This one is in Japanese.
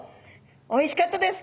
おいしかったです。